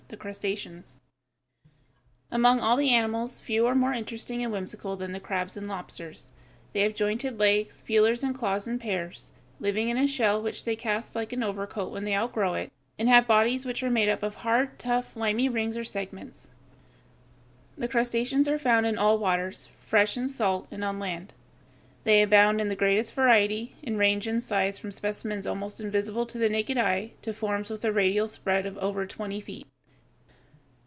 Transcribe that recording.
THE CRUSTACEANS Among all the animals few are more interesting and whimsical than the crabs and lobsters. They have jointed legs, feelers and claws in pairs, living in a shell which they cast like an overcoat when they outgrow it, and have bodies which are made up of hard, tough, limy rings or segments (Fig. 128). The crustaceans are found in all waters, fresh and salt, and on land. They abound in the greatest variety, and range in size from specimens almost invisible to the naked eye to forms with a radial spread of over twenty feet.